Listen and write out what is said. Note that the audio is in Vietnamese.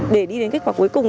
để đi đến kết quả cuối cùng